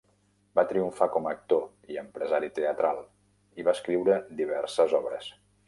Va triomfar com a actor i empresari teatral, i va escriure diverses obres.